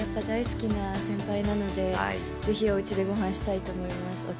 大好きな先輩なので、ぜひおうちでごはんしたいと思います。